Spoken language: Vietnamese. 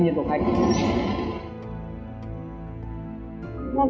chính thức hay đơn vị ổn thương